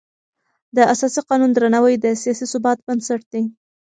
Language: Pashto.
د اساسي قانون درناوی د سیاسي ثبات بنسټ دی